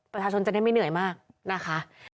ประธาชนจะได้ไม่เหนื่อยมากนะคะ